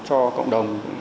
cho cộng đồng